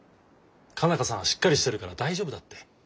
佳奈花さんはしっかりしてるから大丈夫だって。